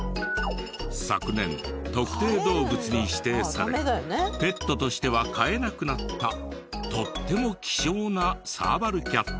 昨年特定動物に指定されペットとしては飼えなくなったとっても希少なサーバルキャットや。